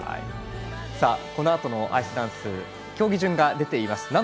このあとのアイスダンス競技順が出ています。